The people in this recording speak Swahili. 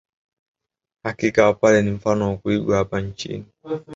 Hakika wapare ni mfano wa kuigwa hapa nchini